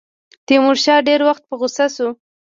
تیمورشاه ډېر زیات په غوسه شو.